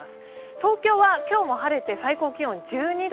東京は今日も晴れて最高気温１２度。